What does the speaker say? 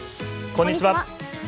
こんにちは。